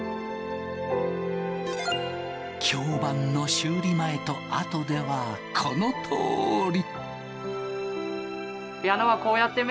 響板の修理前と後ではこのとおり。